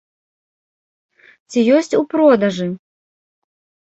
Ці ёсць у продажы?